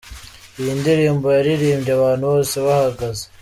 Iyi ndirimbo yayirimbye abantu bose bahagaze.